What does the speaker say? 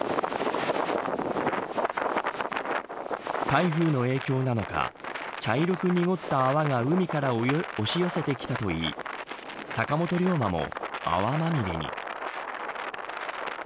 台風の影響なのか茶色く濁った泡が海から押し寄せてきたといい坂本龍馬も泡まみれに。